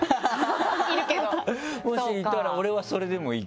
もしいたら俺はそれでもいいけどね。